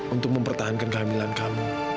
untuk mempertahankan kehamilan kamu